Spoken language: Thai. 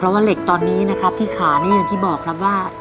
เพราะว่าเหล็กตอนนี้นะครับที่ขานี่อย่างที่บอกครับว่า